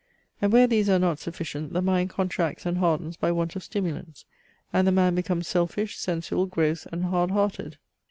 And where these are not sufficient, the mind contracts and hardens by want of stimulants: and the man becomes selfish, sensual, gross, and hard hearted.